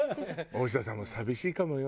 大下さんも寂しいかもよ。